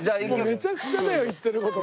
めちゃくちゃだよ言ってる事が。